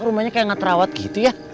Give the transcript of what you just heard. rumahnya kayak gak terawat gitu ya